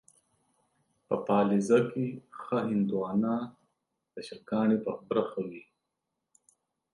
په پاليزه کې ښه هندوانه ، د شکاڼه په برخه وي.